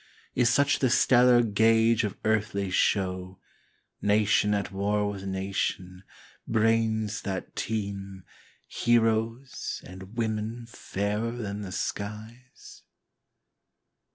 Is such the stellar gauge of earthly show, Nation at war with nation, brains that teem, Heroes, and women fairer than the skies?